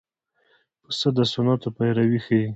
پسه د سنتو پیروي ښيي.